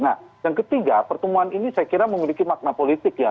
nah yang ketiga pertemuan ini saya kira memiliki makna politik ya